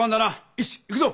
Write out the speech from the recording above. よし行くぞ！